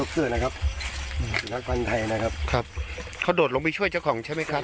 ครับเขาโดดลงไปช่วยเจ้าของใช่ไหมครับ